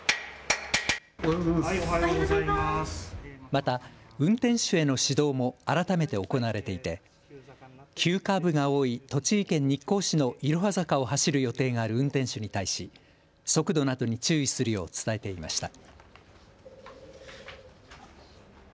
また、運転手への指導も改めて行われていて急カーブが多い栃木県日光市のいろは坂を走る予定がある運転手に対し速度などに注意するよう伝えていました。